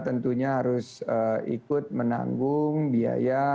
tentunya harus ikut menanggung biaya yang diperlukan